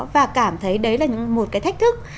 và cảm thấy đấy là một cái thách thức